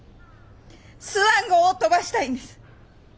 スワン号を飛ばしたいんです！